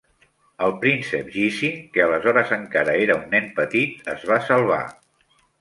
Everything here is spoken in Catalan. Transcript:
El Príncep Jizi, que aleshores encara era un nen petit, es va salvar.